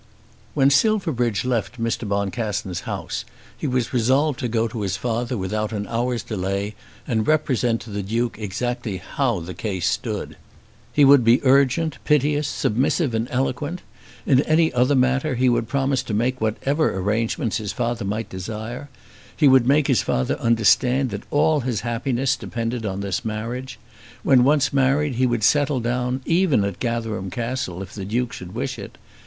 When Silverbridge left Mr. Boncassen's house he was resolved to go to his father without an hour's delay, and represent to the Duke exactly how the case stood. He would be urgent, piteous, submissive, and eloquent. In any other matter he would promise to make whatever arrangements his father might desire. He would make his father understand that all his happiness depended on this marriage. When once married he would settle down, even at Gatherum Castle if the Duke should wish it.